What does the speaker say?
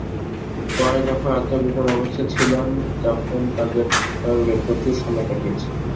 পরে যখন আত্মগোপন অবস্থায় ছিলাম, তখন তাঁদের সঙ্গে প্রচুর সময় কাটিয়েছি।